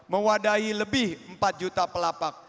mewadahi lebih empat juta pelapak